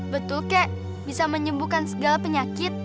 betul kek bisa menyembuhkan segala penyakit